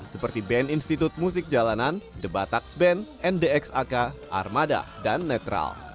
seperti band institut musik jalanan the batax band ndx ak armada dan netral